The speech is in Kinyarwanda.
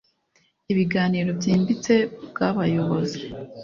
ibiganiro byimbitse bwa bayobozi